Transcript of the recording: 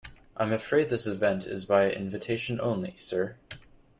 I'm afraid this event is by invitation only, sir.